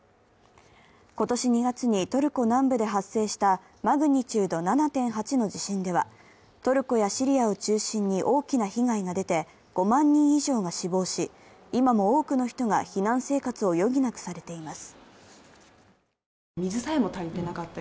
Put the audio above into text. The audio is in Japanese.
今年２月にトルコ南部で発生したマグニチュード７．８の地震ではトルコやシリアを中心に大きな被害が出て５万人以上が死亡し、今も多くの人が避難生活を余儀なくされています。